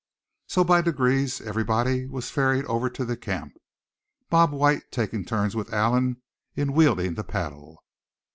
So by degrees everybody was ferried over to the camp, Bob White taking turns with Allan in wielding the paddle.